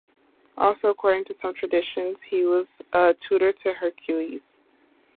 Also, according to some traditions, he was a tutor to Heracles.